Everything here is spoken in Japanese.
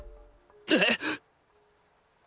えっ！